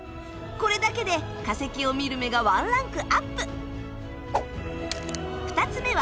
これだけで化石を見る目がワンランクアップ！